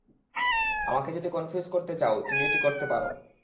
আমাকে যদি কনফিউজ করতে চাও, তুমি এটি করতে পারো।